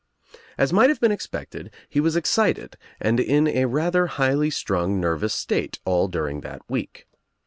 As might have been expected he was excited and in a rather highly strung nervous state all during that week.